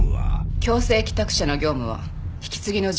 強制帰宅者の業務は引き継ぎの人員が行う事。